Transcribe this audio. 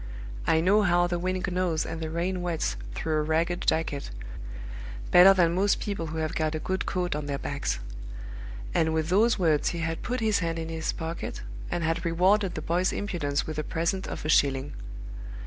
I know how the wind gnaws and the rain wets through a ragged jacket, better than most people who have got a good coat on their backs." And with those words he had put his hand in his pocket, and had rewarded the boy's impudence with a present of a shilling.